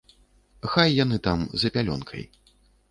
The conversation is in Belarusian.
Хай яны там, за пялёнкай.